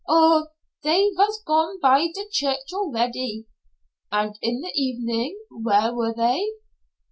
"Oh, dey vas gone by der church already." "And in the evening where were they?"